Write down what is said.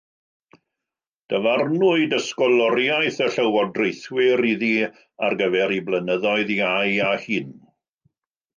Dyfarnwyd ysgoloriaeth y llywodraethwyr iddi ar gyfer ei blynyddoedd iau a hŷn.